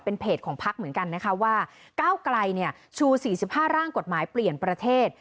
เป็นเพจของพักเหมือนกันนะคะว่าเก้าไกลเนี่ยชูสี่สิบห้าร่างกฎหมายเปลี่ยนประเทศ